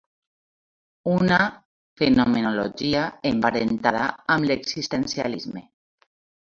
Una fenomenologia emparentada amb l'existencialisme.